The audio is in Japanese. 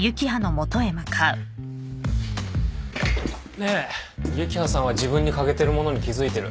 ねえ幸葉さんは自分に欠けてるものに気付いてる？